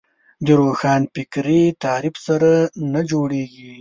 د روښانفکري تعریف سره نه جوړېږي